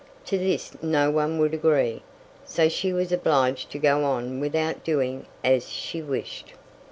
To this no one would agree, so she was obliged to go on without doing as she wished.